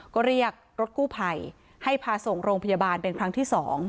ก็เรียกรถกู้ภัยให้พาส่งโรงพยาบาลเป็นครั้งที่๒